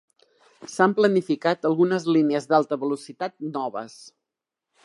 S'han planificat algunes línies d'alta velocitat noves.